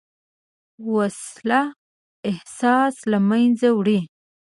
وسله احساس له منځه وړي